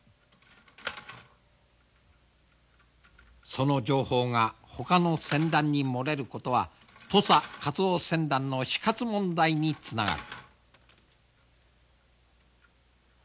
その情報がほかの船団に漏れることは土佐カツオ船団の死活問題につながる。